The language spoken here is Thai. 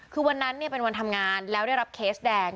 คือวันนั้นเป็นวันทำงานแล้วได้รับเคสแดง